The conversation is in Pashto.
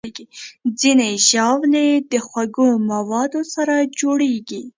ځینې ژاولې د خوږو موادو سره جوړېږي.